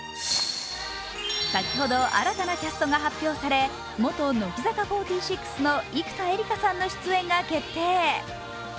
先ほど新たなキャストが発表され、元乃木坂４６の生田絵梨花さんの出演が決定。